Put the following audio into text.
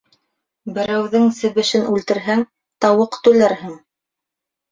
Берәүҙең себешен үлтерһәң, тауыҡ түләрһең.